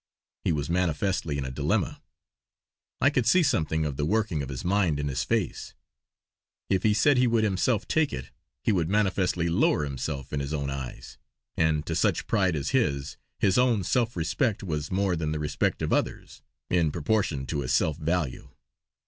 He was manifestly in a dilemma. I could see something of the working of his mind in his face. If he said he would himself take it, he would manifestly lower himself in his own eyes; and to such pride as his, his own self respect was more than the respect of others, in proportion to his self value.